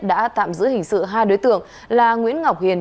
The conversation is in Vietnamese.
đã tạm giữ hình sự hai đối tượng là nguyễn ngọc hiền